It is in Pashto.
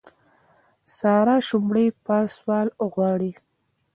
سارا شړومبې په سوال غواړي.